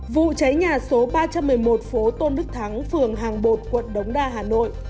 vụ cháy nhà số ba trăm một mươi một phố tôn đức thắng phường hàng bột quận đống đa hà nội